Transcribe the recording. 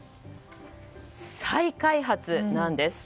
再開発なんです。